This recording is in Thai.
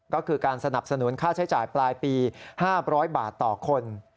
ก็คือการสนับสนุนค่าใช้จ่ายปลายปี๕๐๐บาทต่อคน